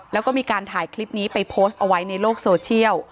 แล้วก็มีการถ่ายคลิปนี้ไปโพสต์เอาไว้ในโลกโซเชียล